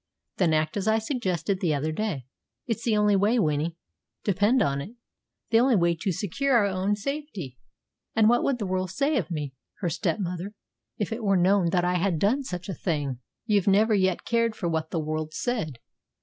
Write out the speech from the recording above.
"Then act as I suggested the other day. It's the only way, Winnie, depend upon it the only way to secure our own safety." "And what would the world say of me, her stepmother, if it were known that I had done such a thing?" "You've never yet cared for what the world said.